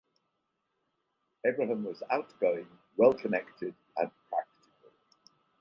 Abraham was outgoing, well-connected, and practical.